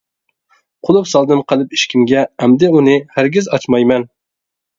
قۇلۇپ سالدىم قەلب ئىشىكىمگە، ئەمدى ئۇنى ھەرگىز ئاچمايمەن.